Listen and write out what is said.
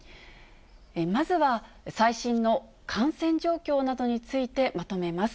まずは最新の感染状況などについて、まとめます。